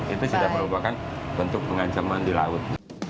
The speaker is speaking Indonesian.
itu sudah merupakan bentuk pengancaman di laut